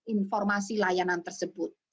informasi layanan tersebut